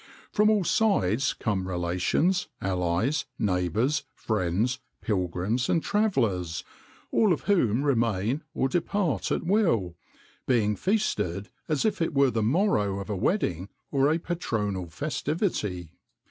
From all sides come relations, allies, neighbours, friends, pilgrims, and travellers, all of whom remain or depart at will, being feasted as if it were the morrow of a wedding, or a patronal festivity.